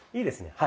はい。